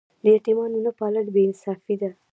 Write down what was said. د یتیمانو نه پالل بې انصافي ده.